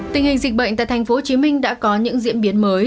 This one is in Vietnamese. tình hình dịch bệnh tại tp hcm đã có những diễn biến mới